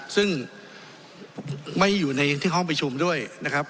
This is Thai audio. ซึ่งไม่อยู่ในที่ห้องประชุมด้วยนะครับ